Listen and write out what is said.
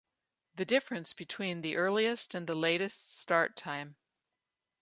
The difference between the earliest and the latest start time.